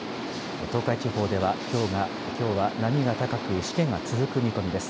東海地方ではきょうは波が高く、しけが続く見込みです。